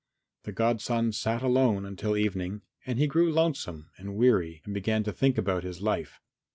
The godson sat alone until evening and he grew lonesome and weary and began to think about his life.